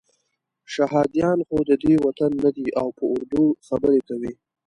شهادیان خو ددې وطن نه دي او په اردو خبرې کوي.